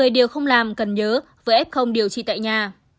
một mươi điều không làm cần nhớ với f điều trị tại nhà